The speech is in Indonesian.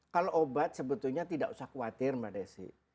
kalau obat sebetulnya tidak usah khawatir mbak desi